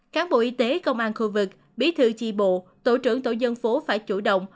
cán bộ y tế công an khu vực bí thư chi bộ tổ trưởng tổ dân phố phải chủ động